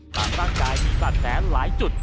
ตามร่างกายมีสัตว์แสนหลายจุด